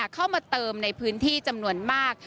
เข้ามาเติมในพื้นที่จำนวนมาก